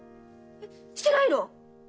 してないの？